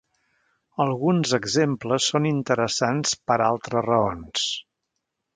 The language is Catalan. Alguns exemples són interessants per altres raons.